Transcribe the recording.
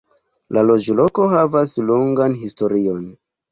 La loĝloko havas longan historion.